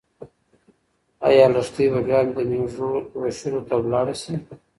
ايا لښتې به بیا د مېږو لوشلو ته لاړه شي؟